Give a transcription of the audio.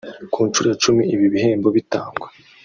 Ku nshuro ya cumi ibi bihembo bitangwa